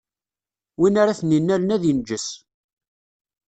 Win ara ten-innalen ad inǧes.